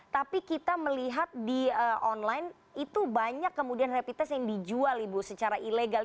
tapi kita melihat di online itu banyak kemudian rapid test yang dijual ibu secara ilegal